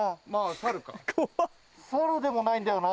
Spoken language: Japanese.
猿でもないんだよな。